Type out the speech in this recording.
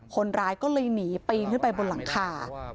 คนร้ายก็เลยหนีปีนขึ้นไปบนหลังคา